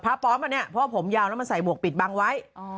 ปลอมอันนี้เพราะว่าผมยาวแล้วมันใส่หมวกปิดบังไว้